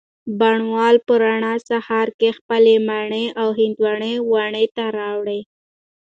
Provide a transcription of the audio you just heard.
بڼ وال په رڼه سهار کي خپلې مڼې او هندواڼې واڼه ته راوړې